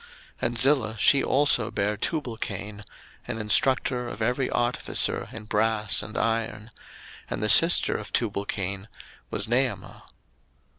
01:004:022 And Zillah, she also bare Tubalcain, an instructor of every artificer in brass and iron: and the sister of Tubalcain was Naamah.